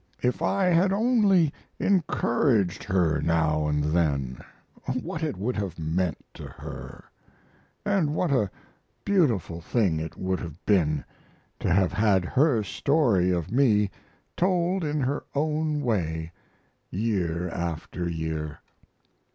If I had only encouraged her now and then, what it would have meant to her, and what a beautiful thing it would have been to have had her story of me told in her own way, year after year!